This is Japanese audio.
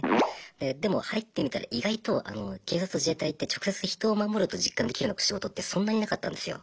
でも入ってみたら意外と警察と自衛隊って直接人を守ると実感できるような仕事ってそんなになかったんですよ。